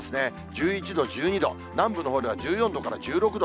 １１度、１２度、南部のほうでは１４度から１６度。